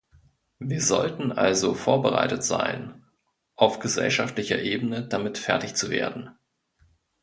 Wir sollten also vorbereitet sein, auf gesellschaftlicher Ebene damit fertigzuwerden.